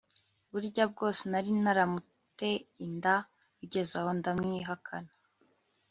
burya bwose nari naramute inda bigezaho ndamwihakana